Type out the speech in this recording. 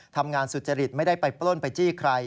ทำงานสุจริตไม่ได้ไปโปรดไปจี้กาย